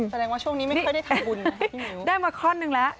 แสดงว่าช่วงนี้ไม่เคยได้ทำบุญนะพี่นิ้ว